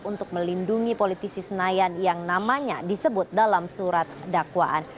untuk melindungi politisi senayan yang namanya disebut dalam surat dakwaan